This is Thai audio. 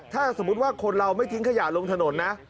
ถ้าสมมุติว่าคนเราไม่ทิ้งขยะลงถนนนะ